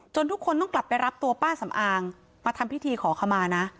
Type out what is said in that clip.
ทุกคนต้องกลับไปรับตัวป้าสำอางมาทำพิธีขอขมานะ